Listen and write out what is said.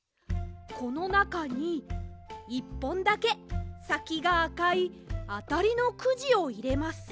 このなかに１ぽんだけさきがあかいあたりのくじをいれます。